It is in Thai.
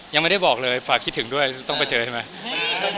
ยังไม่ได้บอกเลยฝากคิดถึงด้วยต้องไปเจอใช่ไหม